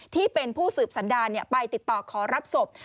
ที่เป็นผู้สืบสันดารไปติดต่อขอรับศพ